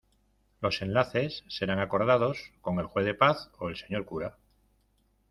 Los enlaces serán acordados con el juez de paz o el señor cura.